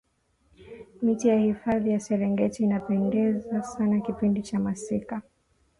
miti ya hifadhi ya serengeti inapendeza sana kipindi cha masika